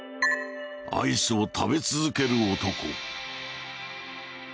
アイスを食べ続ける男。